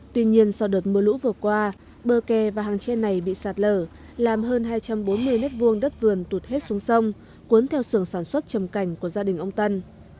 tuy nhiên sau đợt mưa lũ vừa qua bờ kè và hàng tre này bị sạt lở làm hơn hai trăm bốn mươi m hai đất vườn tụt hết xuống sông cuốn theo sường sản xuất chầm cảnh của gia đình ông tân